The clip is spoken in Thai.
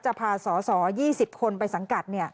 จะพาสอสอ๒๐คนไปสังกัด